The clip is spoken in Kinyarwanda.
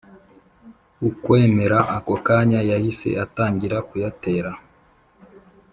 ukwemera, ako kanya yahise atangira kuyatera